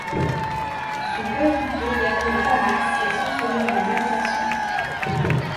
Son coéquipier Gabriel Tamaș est sanctionné de la même façon.